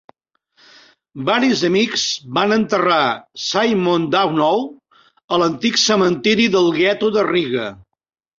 Varis amics van enterrar Simon Dubnow a l'antic cementiri del gueto de Riga.